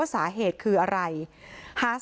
อาบน้ำเป็นจิตเที่ยว